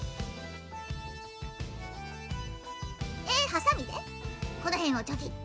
ハサミでこのへんをチョキッと。